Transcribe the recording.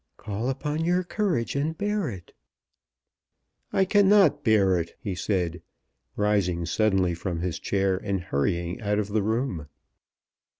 "Call upon your courage and bear it." "I cannot bear it," he said, rising suddenly from his chair, and hurrying out of the room.